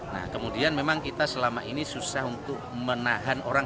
nah kemudian memang kita selama ini susah untuk menahan orang